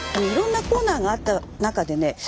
いろんなコーナーがあった中でね